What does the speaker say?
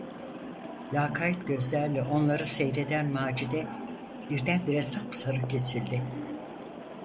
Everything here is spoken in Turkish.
Lakayt gözlerle onları seyreden Macide birdenbire sapsarı kesildi.